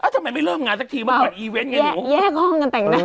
ทำไมไม่เริ่มงานสักทีมากับอีเวนท์ให้หนู